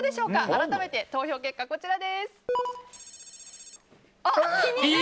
改めて、投票結果はこちら。